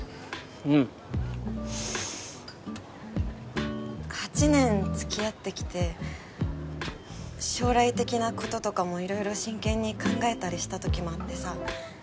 うん８年つきあってきて将来的なこととかもいろいろ真剣に考えたりした時もあってさ